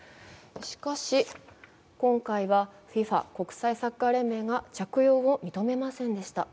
しかし今回はＦＩＦＡ＝国際サッカー連盟が着用を認めませんでした。